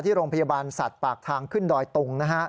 โรงพยาบาลสัตว์ปากทางขึ้นดอยตุง